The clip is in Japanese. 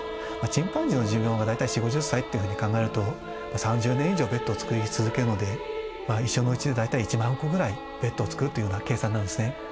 チンパンジーの寿命が大体４０５０歳っていうふうに考えると３０年以上ベッドを作り続けるのでまあ一生のうちで大体１万個ぐらいベッドを作るというような計算になるんですね。